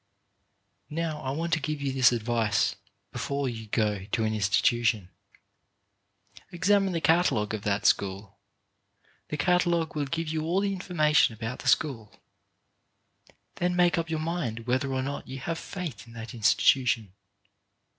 Now, I want to give you this advice. Before you go to an institution examine the catalogue of that school. The catalogue will give you all the information about the school. Then make up your mind whether or not you have faith in that institution.